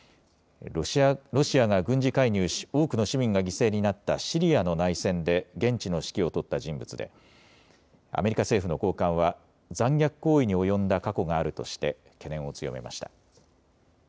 ロシアが軍事介入し多くの市民が犠牲になったシリアの内戦で現地の指揮を執った人物でアメリカ政府の高官は残虐行為に及んだ過去があるとして懸念を強めました。